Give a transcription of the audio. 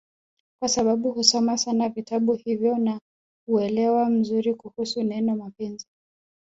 kwasababu husoma sana vitabu hivyo ana uwelewa mzuri kuhusu neno mapenzi